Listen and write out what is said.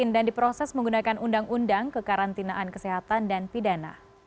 dan diproses menggunakan undang undang kekarantinaan kesehatan dan pidana